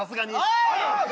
おい！